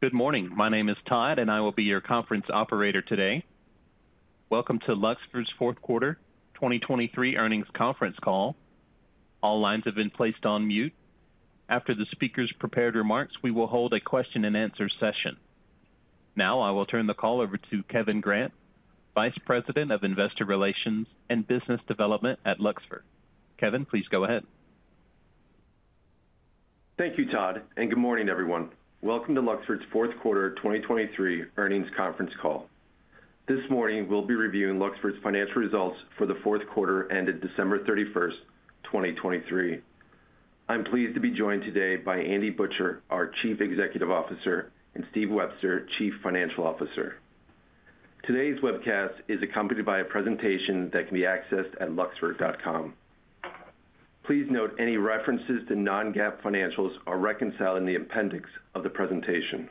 Good morning. My name is Todd, and I will be your conference operator today. Welcome to Luxfer's Q4 2023 earnings conference call. All lines have been placed on mute. After the speaker's prepared remarks, we will hold a question-and-answer session. Now I will turn the call over to Kevin Grant, Vice President of Investor Relations and Business Development at Luxfer. Kevin, please go ahead. Thank you, Todd, and good morning, everyone. Welcome to Luxfer's Q4 2023 earnings conference call. This morning we'll be reviewing Luxfer's financial results for the Q4 ended December 31st, 2023. I'm pleased to be joined today by Andy Butcher, our Chief Executive Officer, and Steve Webster, Chief Financial Officer. Today's webcast is accompanied by a presentation that can be accessed at luxfer.com. Please note any references to non-GAAP financials are reconciled in the appendix of the presentation.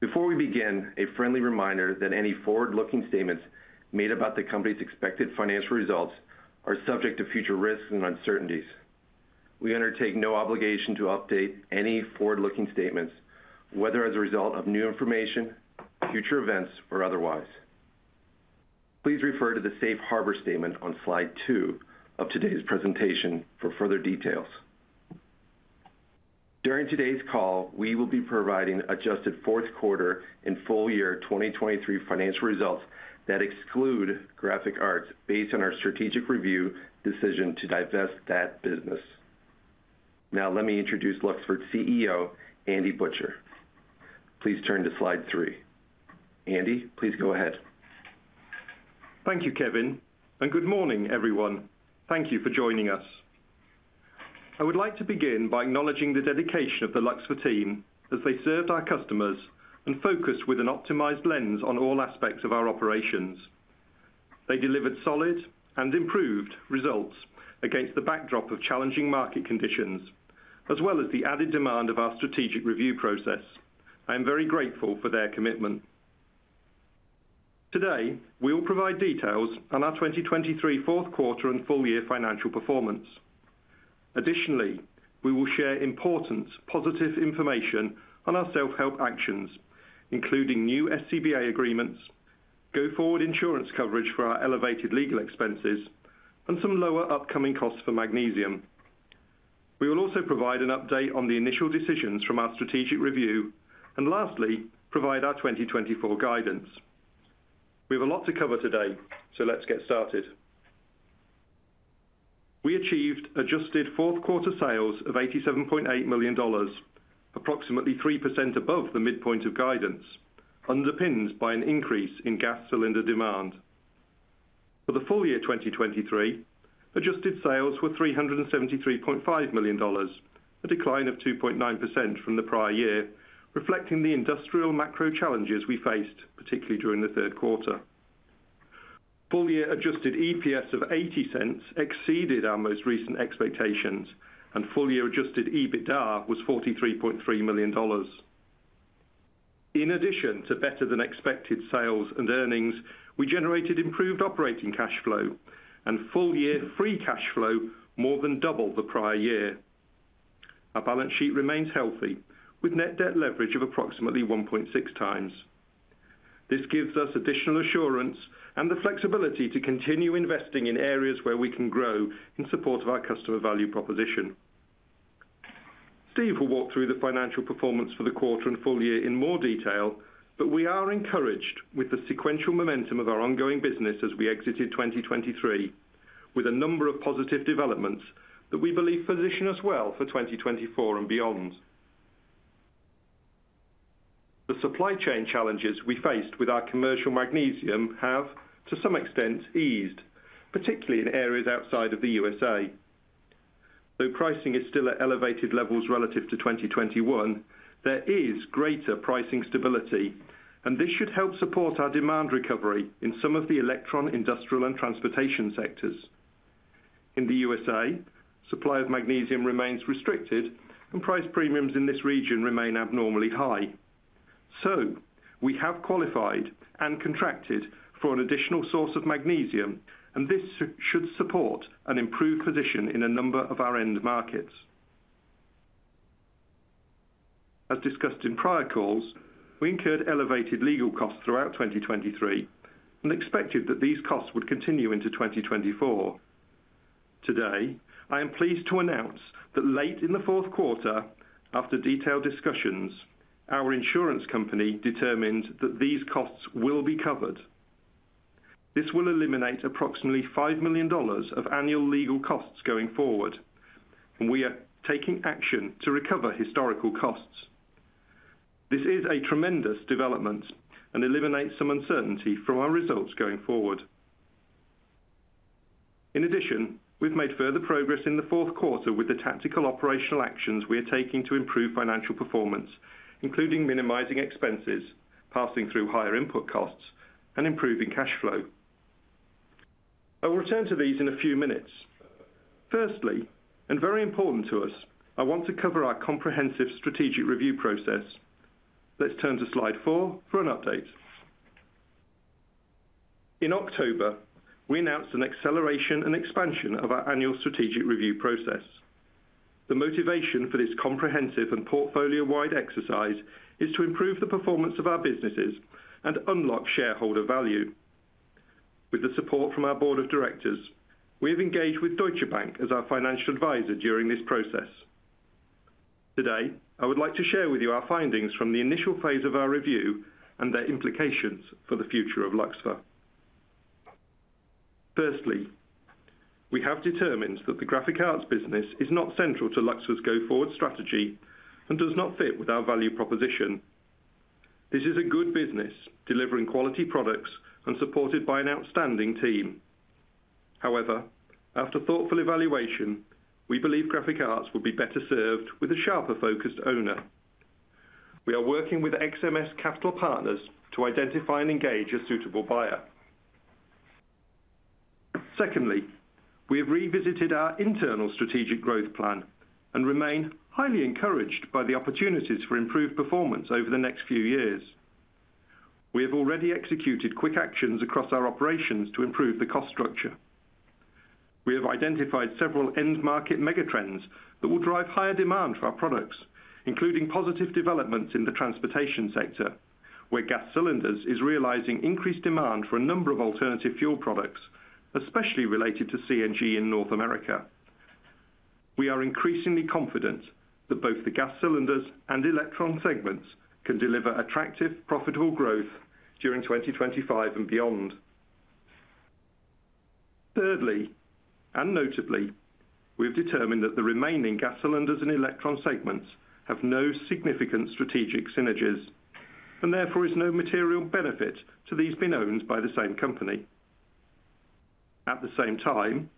Before we begin, a friendly reminder that any forward-looking statements made about the company's expected financial results are subject to future risks and uncertainties. We undertake no obligation to update any forward-looking statements, whether as a result of new information, future events, or otherwise. Please refer to the Safe Harbor statement on slide two of today's presentation for further details. During today's call, we will be providing adjusted Q4 and full year 2023 financial results that exclude Graphic Arts based on our strategic review decision to divest that business. Now let me introduce Luxfer's CEO, Andy Butcher. Please turn to slide three. Andy, please go ahead. Thank you, Kevin, and good morning, everyone. Thank you for joining us. I would like to begin by acknowledging the dedication of the Luxfer team as they served our customers and focused with an optimized lens on all aspects of our operations. They delivered solid and improved results against the backdrop of challenging market conditions, as well as the added demand of our strategic review process. I am very grateful for their commitment. Today we will provide details on our 2023 Q4 and full year financial performance. Additionally, we will share important positive information on our self-help actions, including new SCBA agreements, go-forward insurance coverage for our elevated legal expenses, and some lower upcoming costs for magnesium. We will also provide an update on the initial decisions from our strategic review, and lastly, provide our 2024 guidance. We have a lot to cover today, so let's get started. We achieved adjusted Q4 sales of $87.8 million, approximately 3% above the midpoint of guidance, underpinned by an increase in gas cylinder demand. For the full year 2023, adjusted sales were $373.5 million, a decline of 2.9% from the prior year, reflecting the industrial macro challenges we faced, particularly during the Q3. Full year Adjusted EPS of $0.80 exceeded our most recent expectations, and full year Adjusted EBITDA was $43.3 million. In addition to better-than-expected sales and earnings, we generated improved operating cash flow and full year free cash flow more than double the prior year. Our balance sheet remains healthy, with net debt leverage of approximately 1.6x. This gives us additional assurance and the flexibility to continue investing in areas where we can grow in support of our customer value proposition. Steve will walk through the financial performance for the quarter and full year in more detail, but we are encouraged with the sequential momentum of our ongoing business as we exited 2023, with a number of positive developments that we believe position us well for 2024 and beyond. The supply chain challenges we faced with our commercial magnesium have, to some extent, eased, particularly in areas outside of the USA. Though pricing is still at elevated levels relative to 2021, there is greater pricing stability, and this should help support our demand recovery in some of the Elektron, industrial, and transportation sectors. In the USA, supply of magnesium remains restricted, and price premiums in this region remain abnormally high. So we have qualified and contracted for an additional source of magnesium, and this should support an improved position in a number of our end markets. As discussed in prior calls, we incurred elevated legal costs throughout 2023 and expected that these costs would continue into 2024. Today, I am pleased to announce that late in the Q4, after detailed discussions, our insurance company determined that these costs will be covered. This will eliminate approximately $5 million of annual legal costs going forward, and we are taking action to recover historical costs. This is a tremendous development and eliminates some uncertainty from our results going forward. In addition, we've made further progress in the Q4 with the tactical operational actions we are taking to improve financial performance, including minimizing expenses, passing through higher input costs, and improving cash flow. I will return to these in a few minutes. Firstly, and very important to us, I want to cover our comprehensive strategic review process. Let's turn to slide four for an update. In October, we announced an acceleration and expansion of our annual strategic review process. The motivation for this comprehensive and portfolio-wide exercise is to improve the performance of our businesses and unlock shareholder value. With the support from our board of directors, we have engaged with Deutsche Bank as our financial advisor during this process. Today, I would like to share with you our findings from the initial phase of our review and their implications for the future of Luxfer. Firstly, we have determined that the Graphic Arts business is not central to Luxfer's go-forward strategy and does not fit with our value proposition. This is a good business delivering quality products and supported by an outstanding team. However, after thoughtful evaluation, we believe Graphic Arts would be better served with a sharper-focused owner. We are working with XMS Capital Partners to identify and engage a suitable buyer. Secondly, we have revisited our internal strategic growth plan and remain highly encouraged by the opportunities for improved performance over the next few years. We have already executed quick actions across our operations to improve the cost structure. We have identified several end-market megatrends that will drive higher demand for our products, including positive developments in the transportation sector, where Gas Cylinders are realizing increased demand for a number of alternative fuel products, especially related to CNG in North America. We are increasingly confident that both the Gas Cylinders and Elektron segments can deliver attractive, profitable growth during 2025 and beyond. Thirdly, and notably, we have determined that the remaining Gas Cylinders and Elektron segments have no significant strategic synergies, and therefore there is no material benefit to these being owned by the same company. At the same time,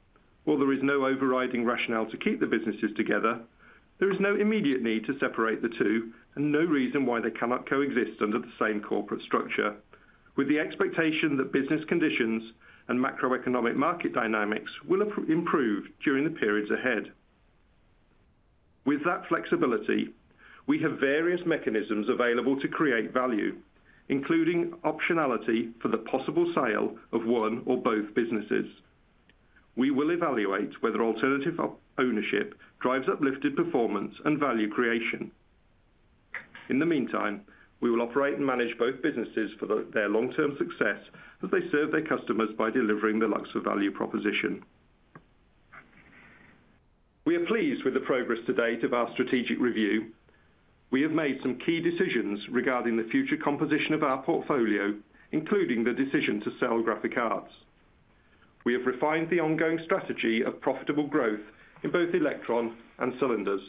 while there is no overriding rationale to keep the businesses together, there is no immediate need to separate the two and no reason why they cannot coexist under the same corporate structure, with the expectation that business conditions and macroeconomic market dynamics will improve during the periods ahead. With that flexibility, we have various mechanisms available to create value, including optionality for the possible sale of one or both businesses. We will evaluate whether alternative ownership drives uplifted performance and value creation. In the meantime, we will operate and manage both businesses for their long-term success as they serve their customers by delivering the Luxfer value proposition. We are pleased with the progress to date of our strategic review. We have made some key decisions regarding the future composition of our portfolio, including the decision to sell Graphic Arts. We have refined the ongoing strategy of profitable growth in both Elektron and cylinders.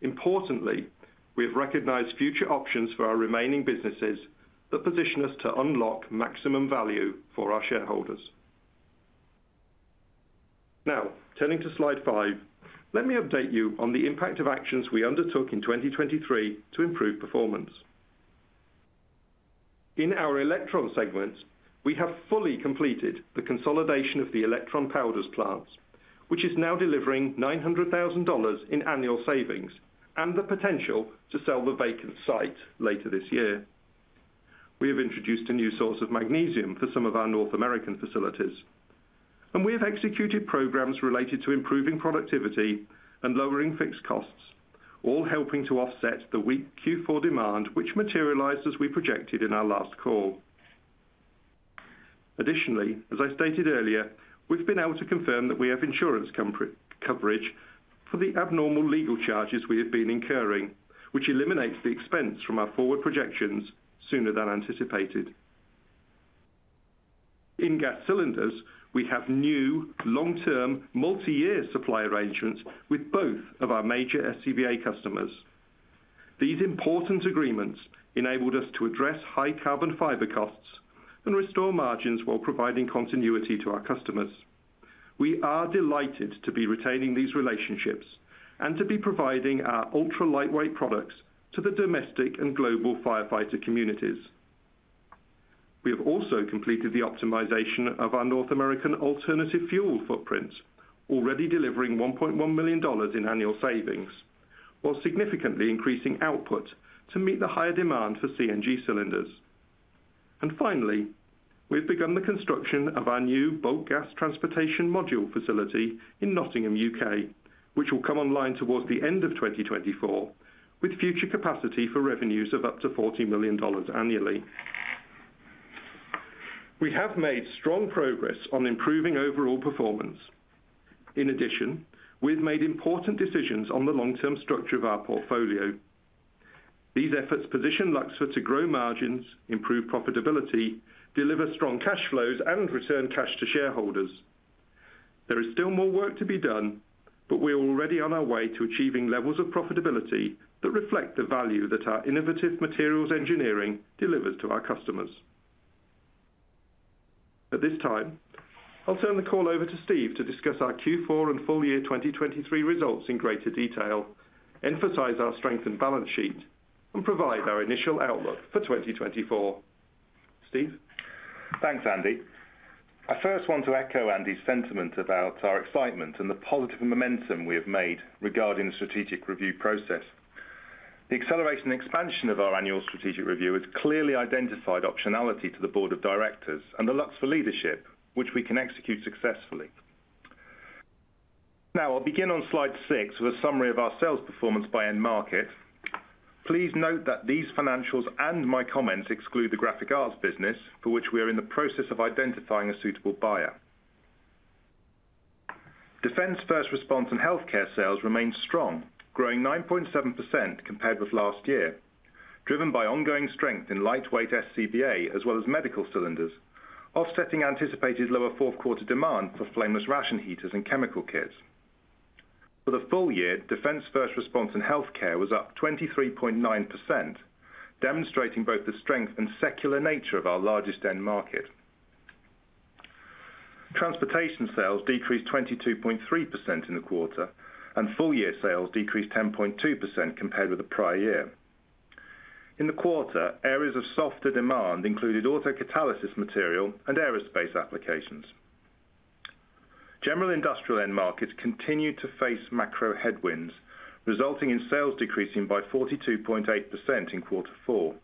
Importantly, we have recognized future options for our remaining businesses that position us to unlock maximum value for our shareholders. Now, turning to slide five, let me update you on the impact of actions we undertook in 2023 to improve performance. In our Elektron segments, we have fully completed the consolidation of the Elektron powders plants, which is now delivering $900,000 in annual savings and the potential to sell the vacant site later this year. We have introduced a new source of magnesium for some of our North American facilities. We have executed programs related to improving productivity and lowering fixed costs, all helping to offset the weak Q4 demand, which materialized as we projected in our last call. Additionally, as I stated earlier, we've been able to confirm that we have insurance coverage for the abnormal legal charges we have been incurring, which eliminates the expense from our forward projections sooner than anticipated. In gas cylinders, we have new long-term multi-year supply arrangements with both of our major SCBA customers. These important agreements enabled us to address high carbon fiber costs and restore margins while providing continuity to our customers. We are delighted to be retaining these relationships and to be providing our ultra-lightweight products to the domestic and global firefighter communities. We have also completed the optimization of our North American alternative fuel footprint, already delivering $1.1 million in annual savings, while significantly increasing output to meet the higher demand for CNG cylinders. And finally, we've begun the construction of our new bulk gas transportation module facility in Nottingham, U.K., which will come online towards the end of 2024, with future capacity for revenues of up to $40 million annually. We have made strong progress on improving overall performance. In addition, we've made important decisions on the long-term structure of our portfolio. These efforts position Luxfer to grow margins, improve profitability, deliver strong cash flows, and return cash to shareholders. There is still more work to be done, but we are already on our way to achieving levels of profitability that reflect the value that our innovative materials engineering delivers to our customers. At this time, I'll turn the call over to Steve to discuss our Q4 and full year 2023 results in greater detail, emphasize our strength and balance sheet, and provide our initial outlook for 2024. Steve? Thanks, Andy. I first want to echo Andy's sentiment about our excitement and the positive momentum we have made regarding the strategic review process. The acceleration and expansion of our annual strategic review has clearly identified optionality to the board of directors and the Luxfer leadership, which we can execute successfully. Now, I'll begin on slide six with a summary of our sales performance by end market. Please note that these financials and my comments exclude the Graphic Arts business, for which we are in the process of identifying a suitable buyer. Defense first response and healthcare sales remain strong, growing 9.7% compared with last year, driven by ongoing strength in lightweight SCBA as well as medical cylinders, offsetting anticipated lower Q4 demand for flameless ration heaters and chemical kits. For the full year, defense first response and healthcare was up 23.9%, demonstrating both the strength and secular nature of our largest end market. Transportation sales decreased 22.3% in the quarter, and full year sales decreased 10.2% compared with the prior year. In the quarter, areas of softer demand included auto catalysis material and aerospace applications. General industrial end markets continued to face macro headwinds, resulting in sales decreasing by 42.8% in quarter four.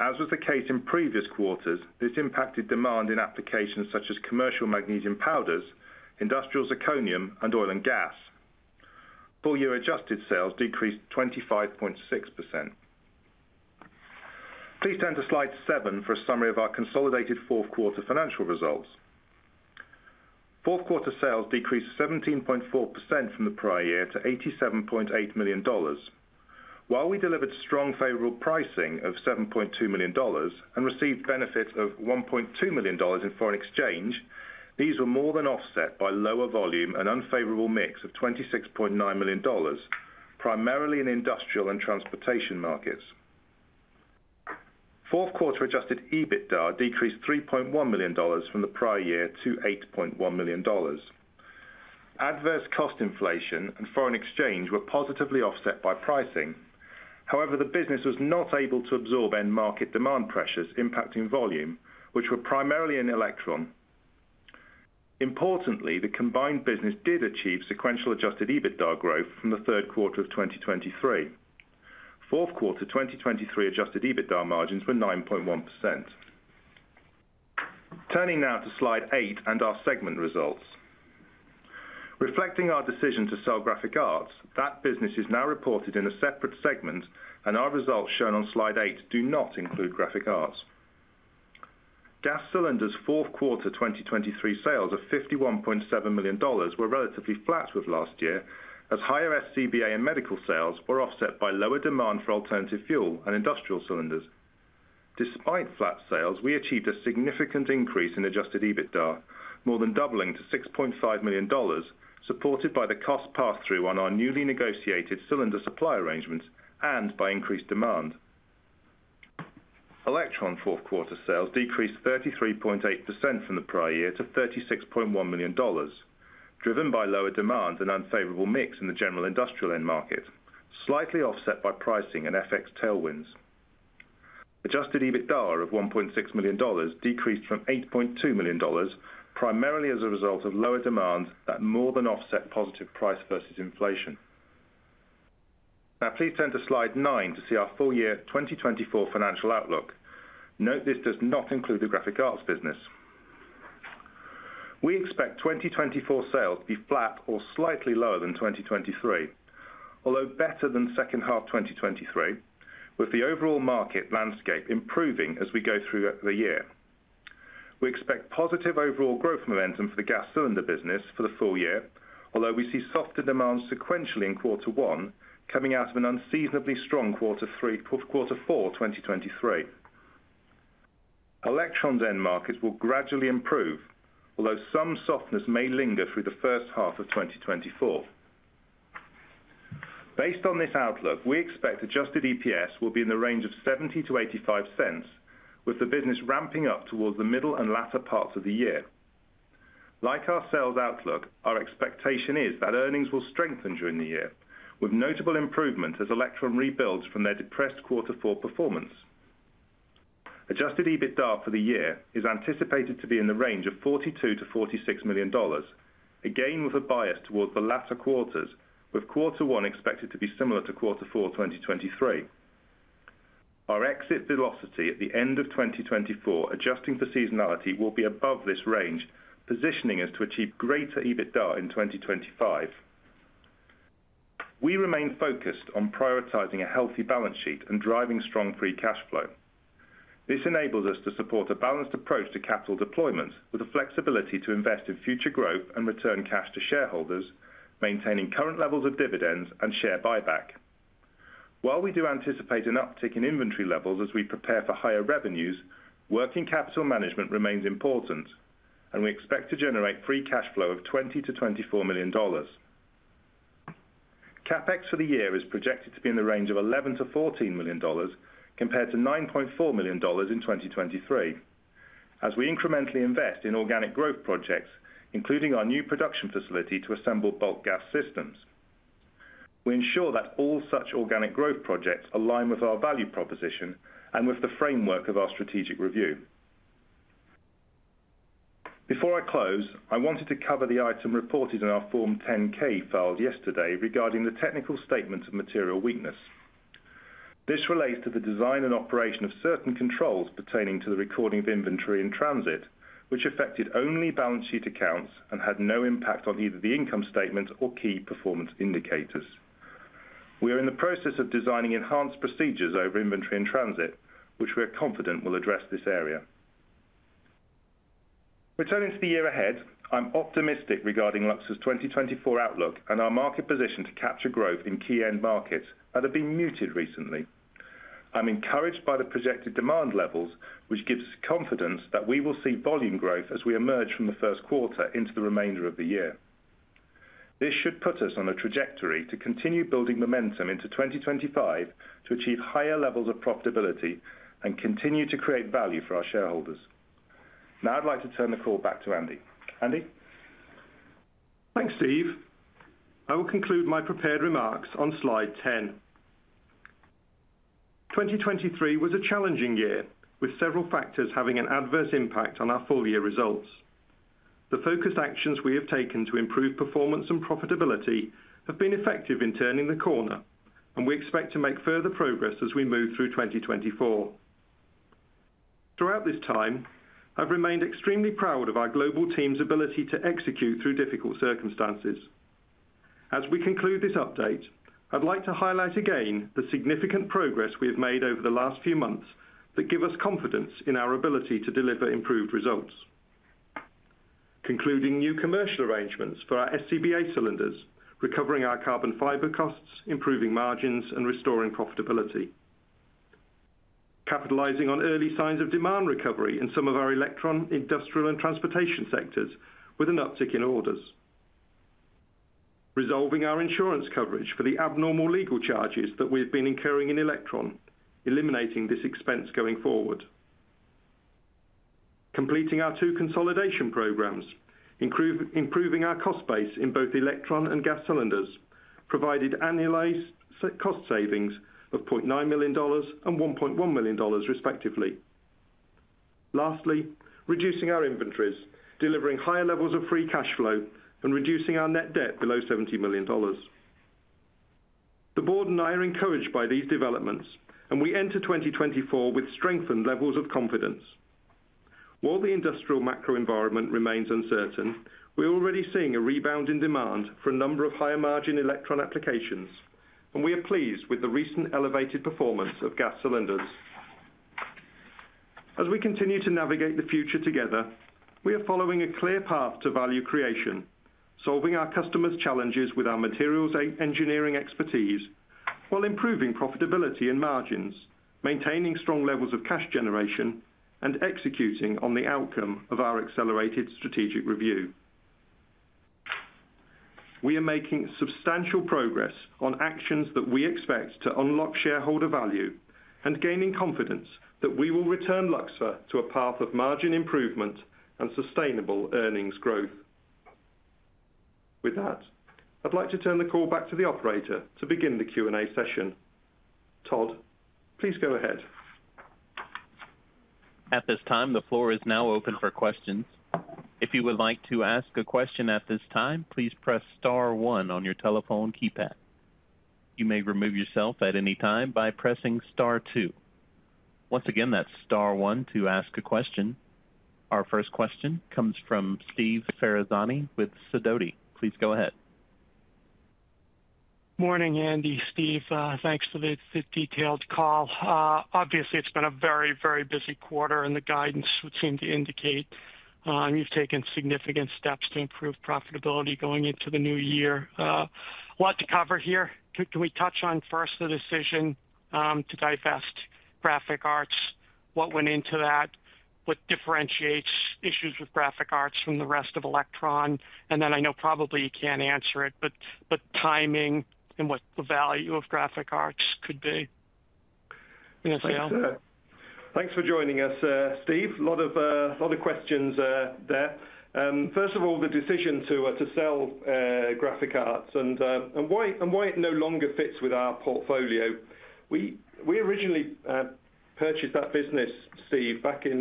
As was the case in previous quarters, this impacted demand in applications such as commercial magnesium powders, industrial zirconium, and oil and gas. Full year adjusted sales decreased 25.6%. Please turn to slide seven for a summary of our consolidated Q4 financial results. Fourth quarter sales decreased 17.4% from the prior year to $87.8 million. While we delivered strong favorable pricing of $7.2 million and received benefits of $1.2 million in foreign exchange, these were more than offset by lower volume and unfavorable mix of $26.9 million, primarily in industrial and transportation markets. Fourth quarter Adjusted EBITDA decreased $3.1 million from the prior year to $8.1 million. Adverse cost inflation and foreign exchange were positively offset by pricing. However, the business was not able to absorb end market demand pressures impacting volume, which were primarily in Elektron. Importantly, the combined business did achieve sequential Adjusted EBITDA growth from the Q3 of 2023. Fourth quarter 2023 Adjusted EBITDA margins were 9.1%. Turning now to slide eight and our segment results. Reflecting our decision to sell Graphic Arts, that business is now reported in a separate segment, and our results shown on slide eight do not include Graphic Arts. Gas Cylinders' Q4 2023 sales of $51.7 million were relatively flat with last year, as higher SCBA and medical sales were offset by lower demand for alternative fuel and industrial cylinders. Despite flat sales, we achieved a significant increase in Adjusted EBITDA, more than doubling to $6.5 million, supported by the cost pass-through on our newly negotiated cylinder supply arrangements and by increased demand. Elektron Q4 sales decreased 33.8% from the prior year to $36.1 million, driven by lower demand and unfavorable mix in the general industrial end market, slightly offset by pricing and FX tailwinds. Adjusted EBITDA of $1.6 million decreased from $8.2 million, primarily as a result of lower demand that more than offset positive price versus inflation. Now, please turn to slide nine to see our full year 2024 financial outlook. Note this does not include the Graphic Arts business. We expect 2024 sales to be flat or slightly lower than 2023, although better than H2 2023, with the overall market landscape improving as we go through the year. We expect positive overall growth momentum for the gas cylinder business for the full year, although we see softer demand sequentially in quarter one coming out of an unseasonably strong quarter four 2023. Elektron's end markets will gradually improve, although some softness may linger through the H1 of 2024. Based on this outlook, we expect adjusted EPS will be in the range of $0.70-$0.85, with the business ramping up towards the middle and latter parts of the year. Like our sales outlook, our expectation is that earnings will strengthen during the year, with notable improvement as Elektron rebuilds from their depressed quarter four performance. Adjusted EBITDA for the year is anticipated to be in the range of $42-$46 million, again with a bias towards the latter quarters, with quarter one expected to be similar to quarter four 2023. Our exit velocity at the end of 2024 adjusting for seasonality will be above this range, positioning us to achieve greater EBITDA in 2025. We remain focused on prioritizing a healthy balance sheet and driving strong free cash flow. This enables us to support a balanced approach to capital deployment with the flexibility to invest in future growth and return cash to shareholders, maintaining current levels of dividends and share buyback. While we do anticipate an uptick in inventory levels as we prepare for higher revenues, working capital management remains important, and we expect to generate free cash flow of $20-$24 million. CapEx for the year is projected to be in the range of $11 million-$14 million compared to $9.4 million in 2023, as we incrementally invest in organic growth projects, including our new production facility to assemble bulk gas systems. We ensure that all such organic growth projects align with our value proposition and with the framework of our strategic review. Before I close, I wanted to cover the item reported in our Form 10-K filed yesterday regarding the technical statement of material weakness. This relates to the design and operation of certain controls pertaining to the recording of inventory in transit, which affected only balance sheet accounts and had no impact on either the income statement or key performance indicators. We are in the process of designing enhanced procedures over inventory in transit, which we are confident will address this area. Returning to the year ahead, I'm optimistic regarding Luxfer's 2024 outlook and our market position to capture growth in key end markets that have been muted recently. I'm encouraged by the projected demand levels, which gives us confidence that we will see volume growth as we emerge from the Q1 into the remainder of the year. This should put us on a trajectory to continue building momentum into 2025 to achieve higher levels of profitability and continue to create value for our shareholders. Now, I'd like to turn the call back to Andy. Andy? Thanks, Steve. I will conclude my prepared remarks on slide 10. 2023 was a challenging year, with several factors having an adverse impact on our full year results. The focused actions we have taken to improve performance and profitability have been effective in turning the corner, and we expect to make further progress as we move through 2024. Throughout this time, I've remained extremely proud of our global team's ability to execute through difficult circumstances. As we conclude this update, I'd like to highlight again the significant progress we have made over the last few months that give us confidence in our ability to deliver improved results. Concluding new commercial arrangements for our SCBA cylinders, recovering our carbon fiber costs, improving margins, and restoring profitability. Capitalizing on early signs of demand recovery in some of our Elektron, industrial, and transportation sectors with an uptick in orders. Resolving our insurance coverage for the abnormal legal charges that we have been incurring in Elektron, eliminating this expense going forward. Completing our two consolidation programs, improving our cost base in both Elektron and Gas Cylinders, provided annualized cost savings of $0.9 million and $1.1 million, respectively. Lastly, reducing our inventories, delivering higher levels of free cash flow, and reducing our net debt below $70 million. The board and I are encouraged by these developments, and we enter 2024 with strengthened levels of confidence. While the industrial macro environment remains uncertain, we are already seeing a rebound in demand for a number of higher margin Elektron applications, and we are pleased with the recent elevated performance of Gas Cylinders. As we continue to navigate the future together, we are following a clear path to value creation, solving our customers' challenges with our materials engineering expertise while improving profitability and margins, maintaining strong levels of cash generation, and executing on the outcome of our accelerated strategic review. We are making substantial progress on actions that we expect to unlock shareholder value and gaining confidence that we will return Luxfer to a path of margin improvement and sustainable earnings growth. With that, I'd like to turn the call back to the operator to begin the Q&A session. Todd, please go ahead. At this time, the floor is now open for questions. If you would like to ask a question at this time, please press star one on your telephone keypad. You may remove yourself at any time by pressing star two. Once again, that's star one to ask a question. Our first question comes from Steve Ferazani with Sidoti. Please go ahead. Morning, Andy. Steve, thanks for the detailed call. Obviously, it's been a very, very busy quarter, and the guidance would seem to indicate you've taken significant steps to improve profitability going into the new year. A lot to cover here. Can we touch on first the decision to divest Graphic Arts, what went into that, what differentiates issues with Graphic Arts from the rest of Elektron? And then I know probably you can't answer it, but timing and what the value of Graphic Arts could be in a sale. Thanks for joining us, Steve. A lot of questions there. First of all, the decision to sell Graphic Arts and why it no longer fits with our portfolio. We originally purchased that business, Steve, back in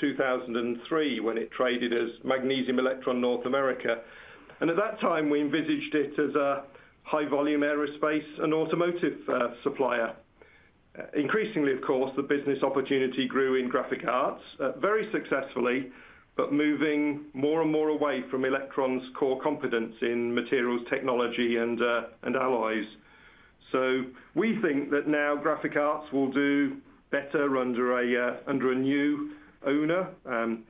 2003 when it traded as Magnesium Elektron North America. And at that time, we envisaged it as a high-volume aerospace and automotive supplier. Increasingly, of course, the business opportunity grew in Graphic Arts very successfully, but moving more and more away from Elektron's core competence in materials, technology, and alloys. So we think that now Graphic Arts will do better under a new owner,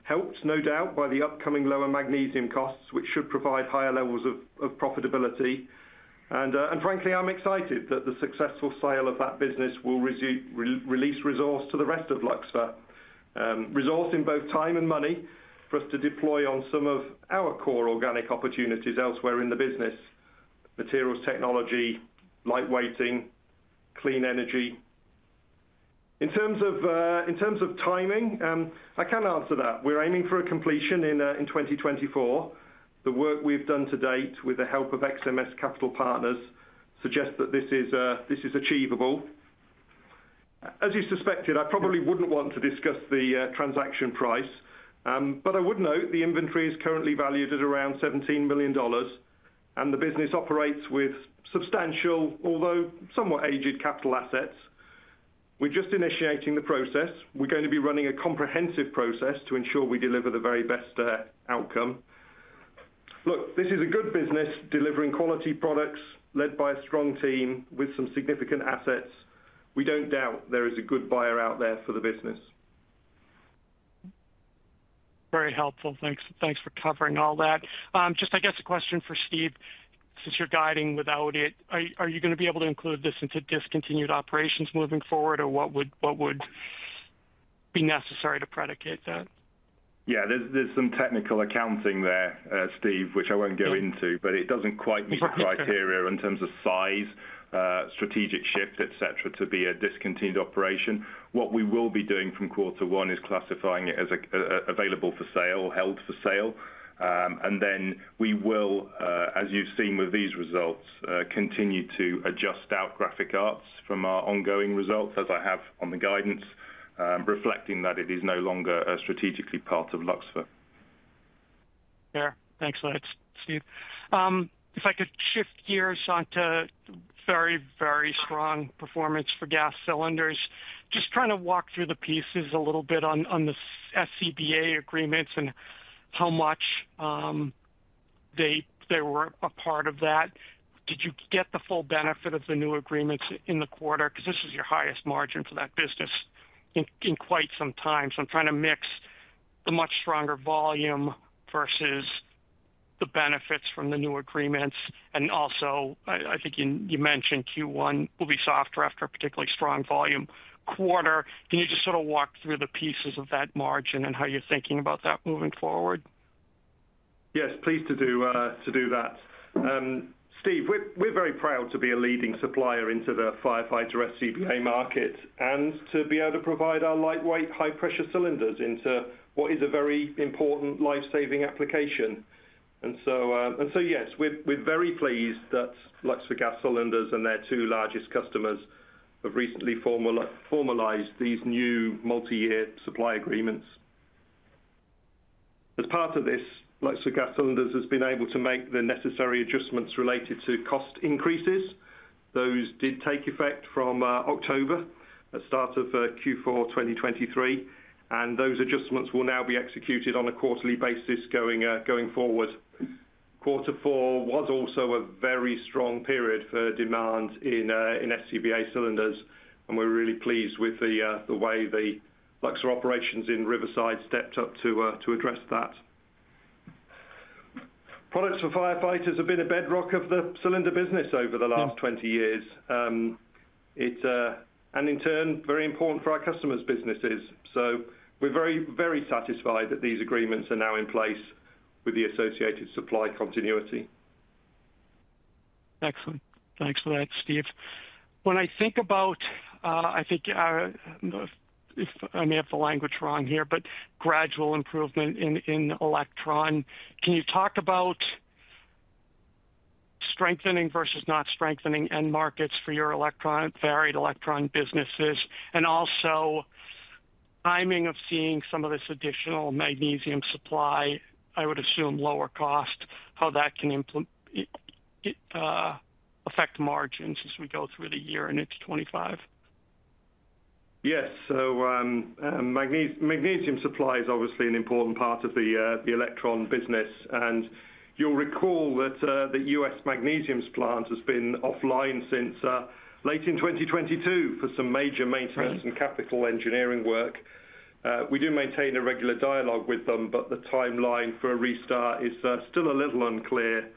helped, no doubt, by the upcoming lower magnesium costs, which should provide higher levels of profitability. Frankly, I'm excited that the successful sale of that business will release resource to the rest of Luxfer, resource in both time and money for us to deploy on some of our core organic opportunities elsewhere in the business: materials, technology, lightweighting, clean energy. In terms of timing, I can answer that. We're aiming for a completion in 2024. The work we've done to date with the help of XMS Capital Partners suggests that this is achievable. As you suspected, I probably wouldn't want to discuss the transaction price, but I would note the inventory is currently valued at around $17 million, and the business operates with substantial, although somewhat aged, capital assets. We're just initiating the process. We're going to be running a comprehensive process to ensure we deliver the very best outcome. Look, this is a good business delivering quality products led by a strong team with some significant assets. We don't doubt there is a good buyer out there for the business. Very helpful. Thanks for covering all that. Just, I guess, a question for Steve. Since you're guiding without it, are you going to be able to include this into discontinued operations moving forward, or what would be necessary to predicate that? Yeah. There's some technical accounting there, Steve, which I won't go into, but it doesn't quite meet the criteria in terms of size, strategic shift, etc., to be a discontinued operation. What we will be doing from quarter one is classifying it as available for sale, held for sale. And then we will, as you've seen with these results, continue to adjust out Graphic Arts from our ongoing results, as I have on the guidance, reflecting that it is no longer strategically part of Luxfer. Fair. Thanks for that, Steve. If I could shift gears onto very, very strong performance for gas cylinders, just trying to walk through the pieces a little bit on the SCBA agreements and how much they were a part of that. Did you get the full benefit of the new agreements in the quarter? Because this is your highest margin for that business in quite some time. So I'm trying to mix the much stronger volume versus the benefits from the new agreements. And also, I think you mentioned Q1 will be softer after a particularly strong volume quarter. Can you just sort of walk through the pieces of that margin and how you're thinking about that moving forward? Yes, pleased to do that. Steve, we're very proud to be a leading supplier into the firefighter SCBA market and to be able to provide our lightweight, high-pressure cylinders into what is a very important lifesaving application. And so yes, we're very pleased that Luxfer Gas Cylinders and their two largest customers have recently formalized these new multi-year supply agreements. As part of this, Luxfer Gas Cylinders has been able to make the necessary adjustments related to cost increases. Those did take effect from October at start of Q4 2023, and those adjustments will now be executed on a quarterly basis going forward. Quarter four was also a very strong period for demand in SCBA cylinders, and we're really pleased with the way the Luxfer operations in Riverside stepped up to address that. Products for firefighters have been a bedrock of the cylinder business over the last 20 years, and in turn, very important for our customers' businesses. So we're very, very satisfied that these agreements are now in place with the associated supply continuity. Excellent. Thanks for that, Steve. When I think about I think I may have the language wrong here, but gradual improvement in Elektron. Can you talk about strengthening versus not strengthening end markets for your varied Elektron businesses and also timing of seeing some of this additional magnesium supply, I would assume lower cost, how that can affect margins as we go through the year and into 2025? Yes. So magnesium supply is obviously an important part of the Elektron business. And you'll recall that the US Magnesium's plant has been offline since late in 2022 for some major maintenance and capital engineering work. We do maintain a regular dialogue with them, but the timeline for a restart is still a little unclear.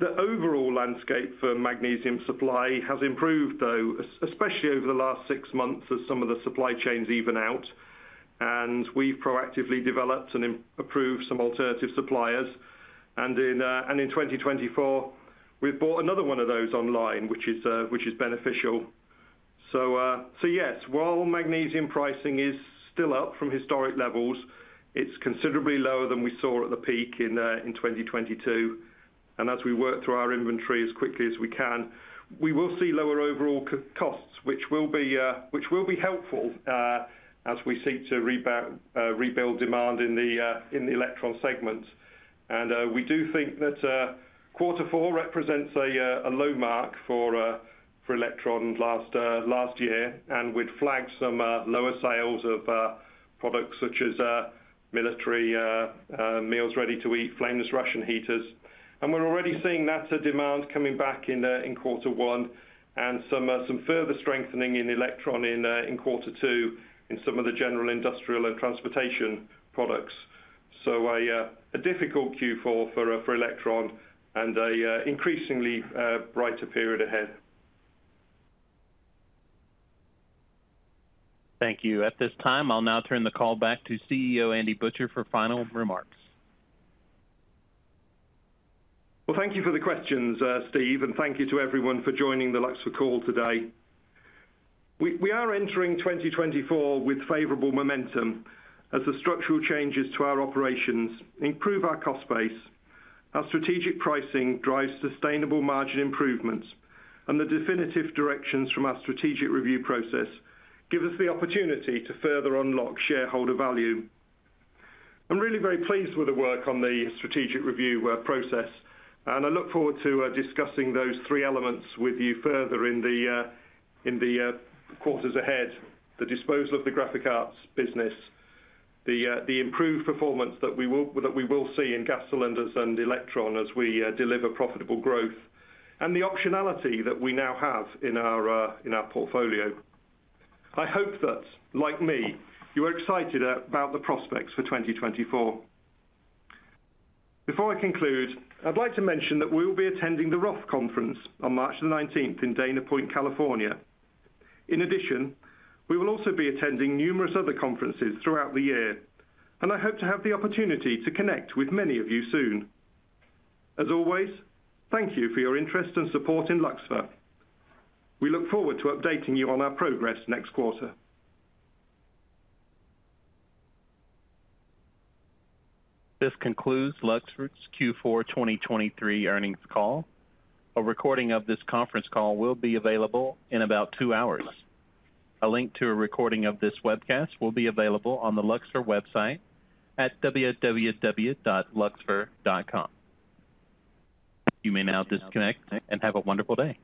The overall landscape for magnesium supply has improved, though, especially over the last six months as some of the supply chains even out. And we've proactively developed and approved some alternative suppliers. And in 2024, we've bought another one of those online, which is beneficial. So yes, while magnesium pricing is still up from historic levels, it's considerably lower than we saw at the peak in 2022. As we work through our inventory as quickly as we can, we will see lower overall costs, which will be helpful as we seek to rebuild demand in the Elektron segment. We do think that quarter four represents a low mark for Elektron last year, and we'd flagged some lower sales of products such as military meals ready to eat, flameless ration heaters. We're already seeing that demand coming back in quarter one and some further strengthening in Elektron in quarter two in some of the general industrial and transportation products. A difficult Q4 for Elektron and an increasingly brighter period ahead. Thank you. At this time, I'll now turn the call back to CEO Andy Butcher for final remarks. Well, thank you for the questions, Steve, and thank you to everyone for joining the Luxfer call today. We are entering 2024 with favorable momentum as the structural changes to our operations improve our cost base. Our strategic pricing drives sustainable margin improvements, and the definitive directions from our strategic review process give us the opportunity to further unlock shareholder value. I'm really very pleased with the work on the strategic review process, and I look forward to discussing those three elements with you further in the quarters ahead: the disposal of the Graphic Arts business, the improved performance that we will see in gas cylinders and Elektron as we deliver profitable growth, and the optionality that we now have in our portfolio. I hope that, like me, you are excited about the prospects for 2024. Before I conclude, I'd like to mention that we will be attending the Roth Conference on March the 19th in Dana Point, California. In addition, we will also be attending numerous other conferences throughout the year, and I hope to have the opportunity to connect with many of you soon. As always, thank you for your interest and support in Luxfer. We look forward to updating you on our progress next quarter. This concludes Luxfer's Q4 2023 earnings call. A recording of this conference call will be available in about two hours. A link to a recording of this webcast will be available on the Luxfer website at www.luxfer.com. You may now disconnect and have a wonderful day.